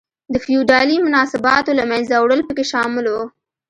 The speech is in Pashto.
د فیوډالي مناسباتو له منځه وړل پکې شامل و.